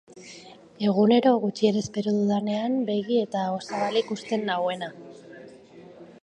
Egunero, gutxien espero dudanean, begi eta aho zabalik uzten nauena.